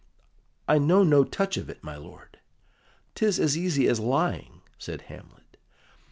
"I know no touch of it, my lord." "'Tis as easy as lying," said Hamlet.